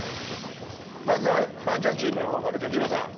まずはバンチャンチームの方からじゃあじろうさん